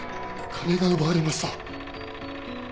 金が奪われました